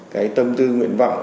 cái tâm tư nguyện vọng